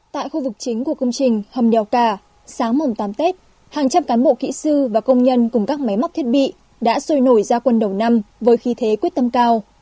tại khu vực chính của công trình hầm đèo cả sáng mùng tám tết hàng trăm cán bộ kỹ sư và công nhân cùng các máy móc thiết bị đã sôi nổi ra quân đầu năm với khí thế quyết tâm cao